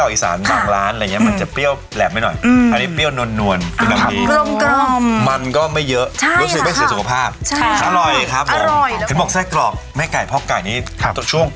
ใช่ค่ะใช่ค่ะใช่ค่ะมาล่าหน่อยครับผมล่าล่ายังอยู่ในแพ็คเกจ